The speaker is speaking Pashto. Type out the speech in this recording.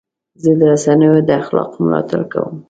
زه د رسنیو د اخلاقو ملاتړ کوم.